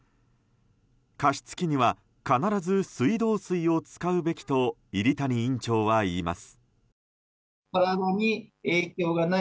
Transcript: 加湿器には必ず水道水を使うべきと入谷院長は言います。